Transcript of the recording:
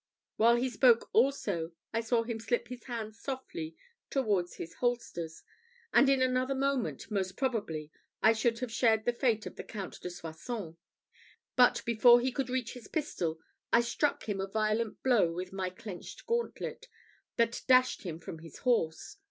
While he spoke also, I saw him slip his hand softly towards his holsters, and in another moment most probably I should have shared the fate of the Count de Soissons, but before he could reach his pistol, I struck him a violent blow with my clenched gauntlet that dashed him from his horse.